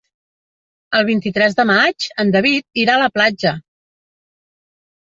El vint-i-tres de maig en David irà a la platja.